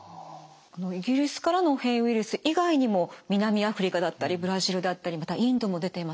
イギリスからの変異ウイルス以外にも南アフリカだったりブラジルだったりまたインドも出てますよね。